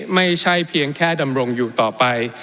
ไม่ใช่เพียงแค่ดำรงอยู่ต่อไป